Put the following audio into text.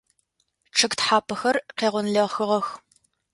Чъыг тхьапэхэр къегъонлэхыгъэх.